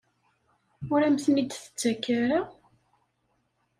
Ur am-ten-id-tettak ara?